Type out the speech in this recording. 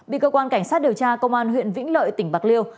bị cơ quan cảnh sát điều tra công an huyện vĩnh lợi tỉnh bạc liêu